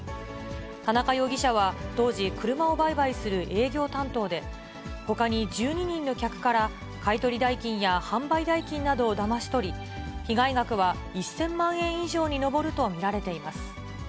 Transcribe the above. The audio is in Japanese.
田中容疑者は、当時、車を売買する営業担当で、ほかに１２人の客から、買い取り代金や販売代金などをだまし取り、被害額は１０００万円以上に上ると見られています。